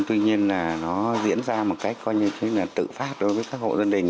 tuy nhiên nó diễn ra một cách tự phát đối với các hộ gia đình